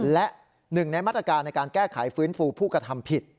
และหนึ่งในมาตรการในการแก้ไขฟื้นฟูผู้กระทำผิด